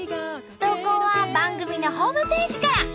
投稿は番組のホームページから。